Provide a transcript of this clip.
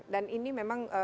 dan ini memang